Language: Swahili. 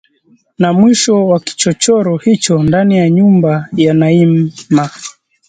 Na mwisho wa kichochoro hicho, ndani ya nyumba ya Naima